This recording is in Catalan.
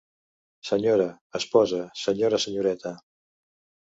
Sra. esposa senyora Senyoreta